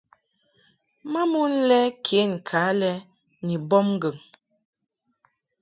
Ma mon le ken ka lɛ ni bɔbŋgɨŋ.